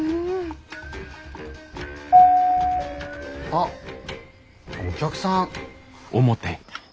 あっお客さん。